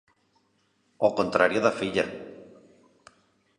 Ao contrario da filla.